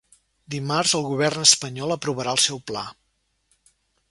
Dimarts, el govern espanyol aprovarà el seu pla.